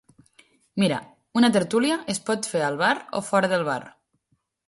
“Mira, una tertúlia es pot fer al bar o fora del bar.